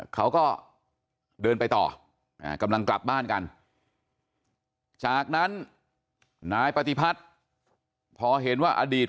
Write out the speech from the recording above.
เขาก็เดินไปต่อกำลังกลับบ้านกันจากนั้นนายปฏิพัฒน์พอเห็นว่าอดีต